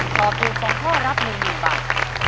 ตอบถูก๒ข้อรับ๑๐๐๐บาท